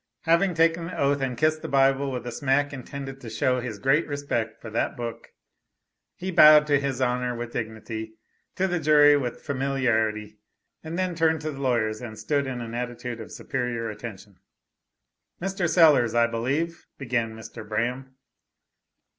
Having taken the oath and kissed the Bible with a smack intended to show his great respect for that book, he bowed to his Honor with dignity, to the jury with familiarity, and then turned to the lawyers and stood in an attitude of superior attention. "Mr. Sellers, I believe?" began Mr. Braham.